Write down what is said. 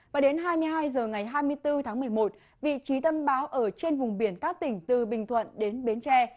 và đến hai mươi hai h ngày hai mươi bốn tháng một mươi một vị trí tâm bão ở trên vùng biển các tỉnh từ bình thuận đến bến tre